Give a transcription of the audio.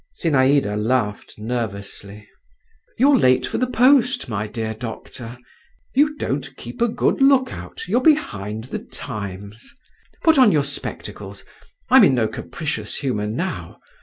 Zinaïda laughed nervously. "You're late for the post, my dear doctor. You don't keep a good look out; you're behind the times. Put on your spectacles. I'm in no capricious humour now.